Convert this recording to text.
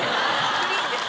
クリーンです。